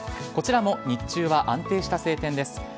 こちらも日中は安定した晴天です。